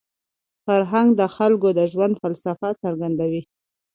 فرهنګ د خلکو د ژوند فلسفه څرګندوي.